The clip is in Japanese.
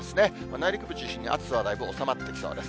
内陸部中心に暑さはだいぶ収まってきそうです。